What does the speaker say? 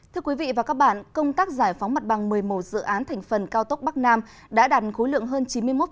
thưa quý vị và các bạn công tác giải phóng mặt bằng một mươi một dự án thành phần cao tốc bắc nam đã đạt khối lượng hơn chín mươi một